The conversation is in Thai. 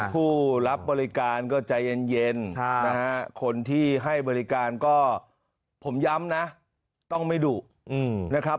ผู้รับบริการก็ใจเย็นนะฮะคนที่ให้บริการก็ผมย้ำนะต้องไม่ดุนะครับ